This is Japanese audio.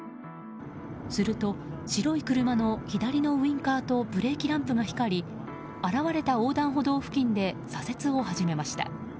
すると、白い車の左のウィンカーとブレーキランプが光り現れた横断歩道付近で左折を始めました。